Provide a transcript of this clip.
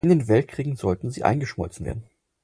In den Weltkriegen sollten sie eingeschmolzen werden.